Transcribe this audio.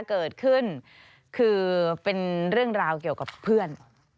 เกิดขึ้นคือเป็นเรื่องราวเกี่ยวกับเพื่อน